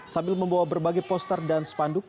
sambil membawa berbagai poster dan spanduk